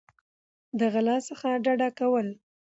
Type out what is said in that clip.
د غلا څخه ډډه کول